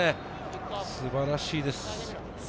素晴らしいです。